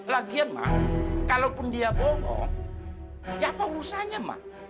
lagian ma kalaupun dia bohong apa urusannya ma